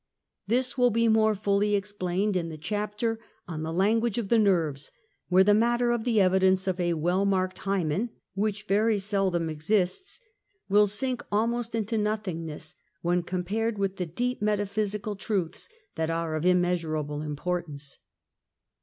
This will be more fully explained in the chapter on the language of the nerves, where the matter of the evidence of a well marked hymen, {ivhich very seldom exists^) will sink almost into nothingness when compared with the deep metaphysical truths that are of immensurable importance.